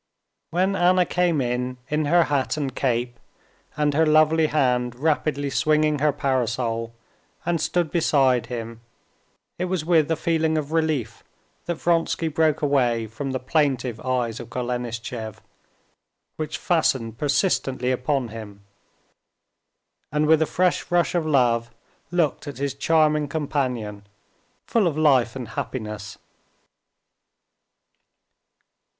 When Anna came in in her hat and cape, and her lovely hand rapidly swinging her parasol, and stood beside him, it was with a feeling of relief that Vronsky broke away from the plaintive eyes of Golenishtchev which fastened persistently upon him, and with a fresh rush of love looked at his charming companion, full of life and happiness.